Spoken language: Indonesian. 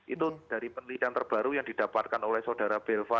itu dari penelitian terbaru yang didapatkan oleh saudara belva